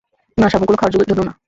না, শামুক গুলো খাওয়ার জন্য না।